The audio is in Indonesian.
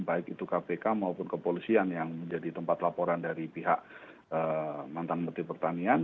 baik itu kpk maupun kepolisian yang menjadi tempat laporan dari pihak mantan menteri pertanian